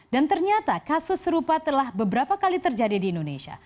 dan ternyata kasus serupa telah beberapa kali terjadi di indonesia